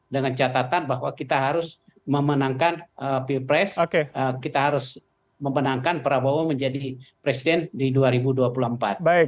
dengan catatan bahwa kita harus memenangkan pilpres kita harus memenangkan prabowo menjadi presiden di dua ribu dua puluh empat